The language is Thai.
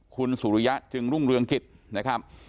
คุณสุริยะจึงรุ่งเรืองกิจนะครับ